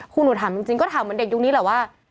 คุณหนูถามจริงก็ถามเหมือนเด็กยุคนี้แหละว่า